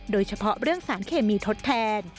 โดยเฉพาะเรื่องสารเคมีทดแทน